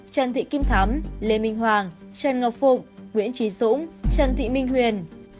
trần thị kim thắm lê minh hoàng trần ngọc phụng nguyễn trí dũng trần thị minh huyền